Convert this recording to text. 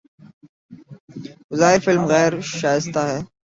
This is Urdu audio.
بظاہر فلم غیر شائستہ ہے